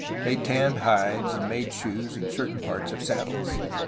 They tanned hides, and made shoes and certain parts of saddles.